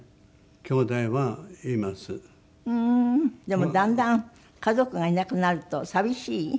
でもだんだん家族がいなくなると寂しい？